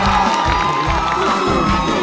โอ้โอ้โอ้ยโอ้โอ้